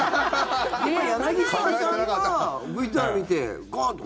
柳澤さんがＶＴＲ見てガーンッて。